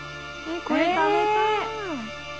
これ食べたい！